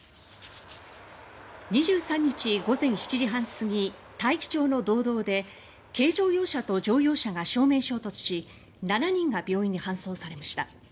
２３日午前７時半過ぎ大樹町の道道で軽乗用車と乗用車が正面衝突し７人が病院に搬送されました。